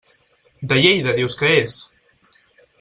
De Lleida dius que és?